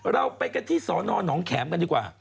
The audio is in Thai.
เราไปกันที่สนหนองแขมกันดีกว่า